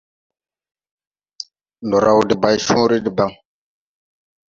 Ndɔ raw debaycõõre debaŋ.